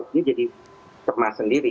dia jadi cemas sendiri